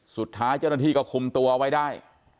สุดท้ายเจ้าหน้าที่ก็คุมตัวไว้ได้